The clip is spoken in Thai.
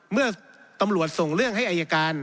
เมื่อตำรวจส่งเรื่องให้อายการ